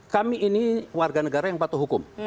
kami ini warga negara yang patuh hukum